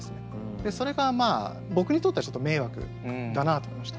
でそれが僕にとっては迷惑だなと思いました。